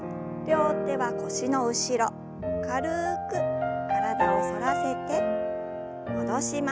両手は腰の後ろ軽く体を反らせて戻します。